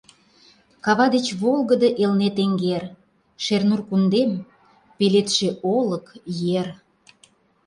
Кава деч волгыдо Элнет эҥер, Шернур кундем — пеледше олык, ер!